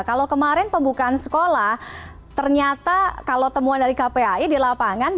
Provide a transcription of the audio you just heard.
kalau kemarin pembukaan sekolah ternyata kalau temuan dari kpai di lapangan